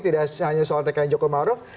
tidak hanya soal tekan joko maruf